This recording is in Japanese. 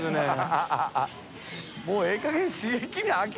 ハハハ